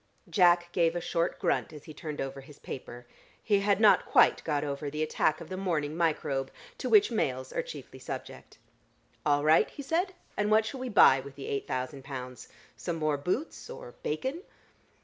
Jack gave a short grunt as he turned over his paper. He had not quite got over the attack of the morning microbe, to which males are chiefly subject. "All right," he said. "And what shall we buy with the eight thousand pounds? Some more boots or bacon?"